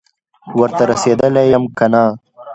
ورته رسېدلی یم که نه،